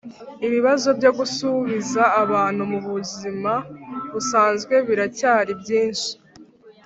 ibibazo byo gusubiza abantu mu buzima busanzwe biracyari byinshi,